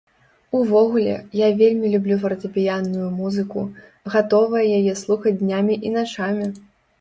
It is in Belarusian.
Увогуле, я вельмі люблю фартэпіянную музыку, гатовая яе слухаць днямі і начамі.